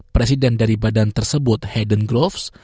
presiden dari badan tersebut hayden groves